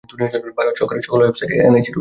ভারত সরকারের সকল ওয়েবসাইট এনআইসি-র অধীনস্থ।